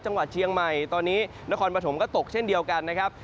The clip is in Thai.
จังหวัดเชียงใหม่ตอนนี้นครปฐมก็ตกเช่นเดียวกันนะครับ